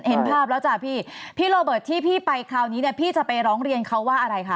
เห็นภาพแล้วจ้ะพี่พี่โรเบิร์ตที่พี่ไปคราวนี้เนี่ยพี่จะไปร้องเรียนเขาว่าอะไรคะ